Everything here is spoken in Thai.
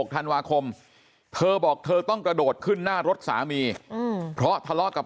ธันวาคมเธอบอกเธอต้องกระโดดขึ้นหน้ารถสามีเพราะทะเลาะกับ